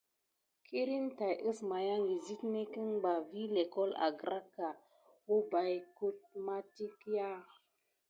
Kirne tàt əsmaya site netki sakuɓa vi lʼékokle angraka wubaye kudmakiyague.